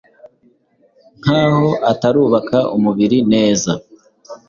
nk’aho utarubaka umubiri neza,